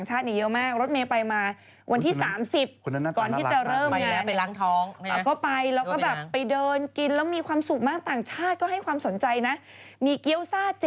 จริงมาเลยกองสลากค่ะเพื่อความถูกต้องและความแม่นยำ